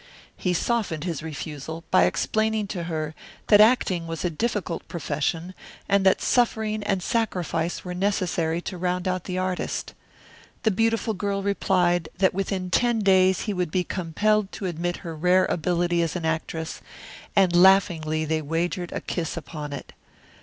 He softened his refusal by explaining to her that acting was a difficult profession and that suffering and sacrifice were necessary to round out the artist. The beautiful girl replied that within ten days he would be compelled to admit her rare ability as an actress, and laughingly they wagered a kiss upon it.